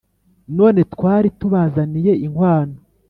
none twari tubazaniye inkwano